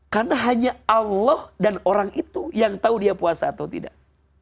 karena hanya allah dan orang itu yang tahu dia puasa atau tidak